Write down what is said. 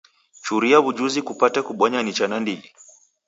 Churia w'ujuzi kupate kubonya nicha nandighi.